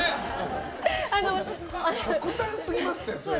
極端すぎますって。